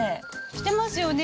してますよね。